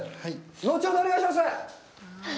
後ほど、お願いします。